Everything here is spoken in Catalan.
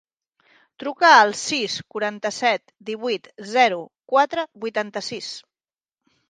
Truca al sis, quaranta-set, divuit, zero, quatre, vuitanta-sis.